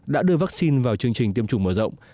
đã đưa vaccine vào chương trình tiêm chủng mở rộng